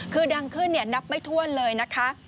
คือดังขึ้นนับไม่ถ้วนเลยนะคะ